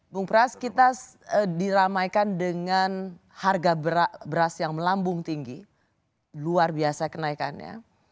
bung pras kita diramaikan dengan harga beras yang melambung tinggi luar biasa kenaikannya